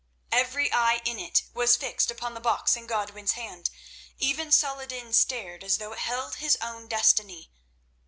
Every eye in it was fixed upon the box in Godwin's hand; even Saladin stared as though it held his own destiny.